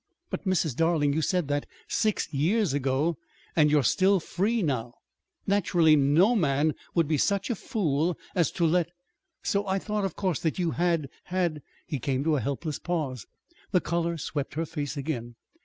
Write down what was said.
"But, Mrs. Darling, you said that six years ago, and and you're still free now. Naturally no man would be such a fool as to let So I thought, of course, that you had had " He came to a helpless pause. The color swept her face again.